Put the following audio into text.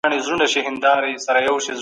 ډیپلوماسي د زور او فشار مانا نه لري.